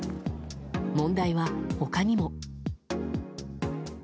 問題は、他にも。